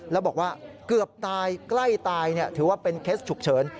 แล้วบอกว่าเกือบตายใกล้ตายถือว่าเป็นเคสฉุกเฉิน